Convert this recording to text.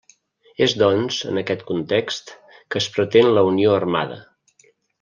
És doncs en aquest context que es pretén la Unió Armada.